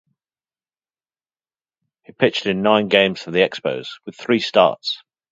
He pitched in nine games for the Expos, with three starts.